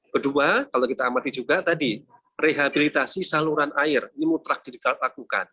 kedua kalau kita amati juga tadi rehabilitasi saluran air ini mutlak dilakukan